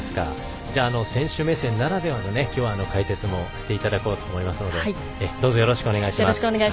選手目線ならではの今日は解説もしていただこうと思いますのでどうぞよろしくお願いします。